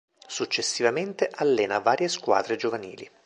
Successivamente allena varie squadre giovanili.